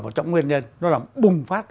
một trong nguyên nhân nó là bùng phát